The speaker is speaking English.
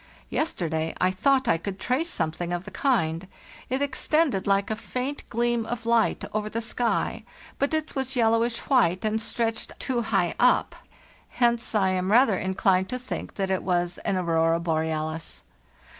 Yesterday I thought I could trace some thing of the kind; it extended like a faint gleam of light over the sky, but it was yellowish white, and stretched too high up; hence I am rather inclined to think that it was an aurora borealis.